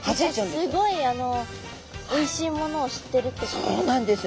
すごいおいしいものを知ってるってことですか？